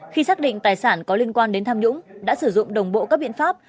khi xác định tài sản có liên quan đến tham nhũng đã sử dụng đồng bộ các biện pháp